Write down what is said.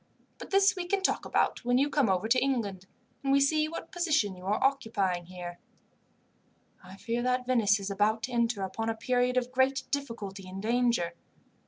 But this we can talk about when you come over to England, and we see what position you are occupying here. "I fear that Venice is about to enter upon a period of great difficulty and danger.